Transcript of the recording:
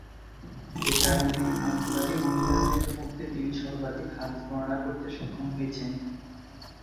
এ কারণে আনসারী মহিলাদের মধ্যে তিনি সর্বাধিক হাদীস বর্ণনা করতে সক্ষম হয়েছেন।